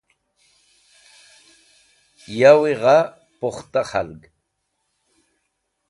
Yawi gha pukhta khalg